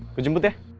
aku jemput ya